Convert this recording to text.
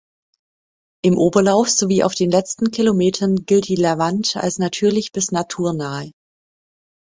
Im Oberlauf sowie auf den letzten Kilometern gilt die Lavant als natürlich bis naturnahe.